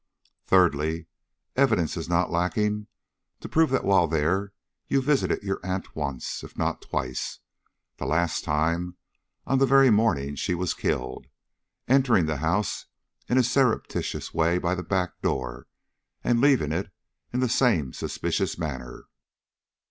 "Thirdly, evidence is not lacking to prove that while there you visited your aunt's once, if not twice; the last time on the very morning she was killed, entering the house in a surreptitious way by the back door, and leaving it in the same suspicious manner.